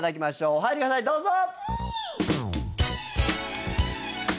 お入りくださいどうぞ！